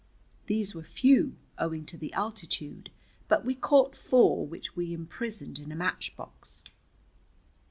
These were few, owing to the altitude, but we caught four, which we imprisoned in a match box.